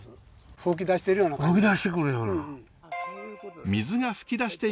吹き出してくるような。